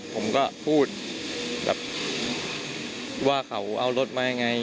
ผมก็พูดแบบว่าเขาเอารถมายังไง